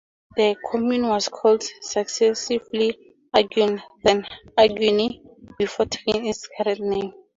The commune was called successively "Aguerne" then "Aguerny" before taking its current name.